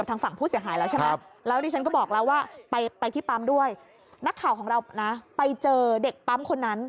แต่เด็กปั๊มก็ไม่ยอมเติมให้